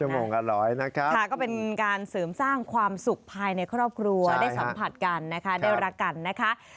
โมงละร้อยนะคะค่ะก็เป็นการเสริมสร้างความสุขภายในครอบครัวได้สัมผัสกันนะคะได้รักกันนะคะ